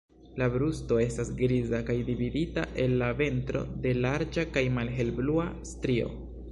La brusto estas griza, kaj dividita el la ventro de larĝa kaj malhelblua strio.